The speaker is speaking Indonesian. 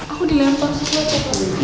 aku dilempar sesuatu